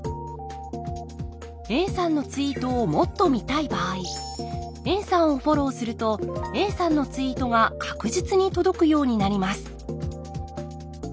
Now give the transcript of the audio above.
Ａさんのツイートをもっと見たい場合ＡさんをフォローするとＡさんのツイートが確実に届くようになります